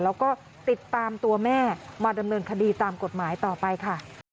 แล้วก็ติดตามตัวแม่มาดำเนินคดีตามกฎหมายต่อไปค่ะ